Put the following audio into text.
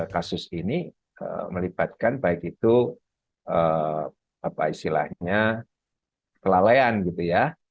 kasus ini melibatkan baik itu apa istilahnya kelalaian gitu ya